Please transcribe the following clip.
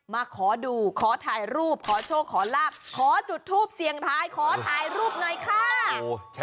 มาขอดูขอถ่ายรูปขอโชคขอลาบขอจุดทูปเสียงทายขอถ่ายรูปหน่อยค่ะ